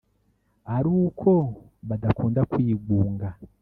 ari uko badakunda kwigunga